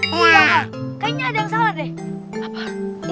iya kan kayaknya ada yang salah deh